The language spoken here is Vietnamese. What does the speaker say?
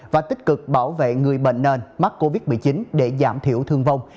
và tích cực bảo vệ người bệnh nền mắc covid một mươi chín để giảm thiểu thương vong